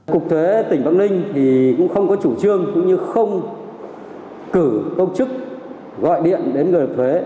cục thuế tỉnh bắc ninh thì cũng không có chủ trương cũng như không cử công chức gọi điện đến người thuế